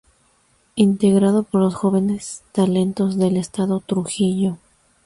Integrado por jóvenes talentos del estado Trujillo.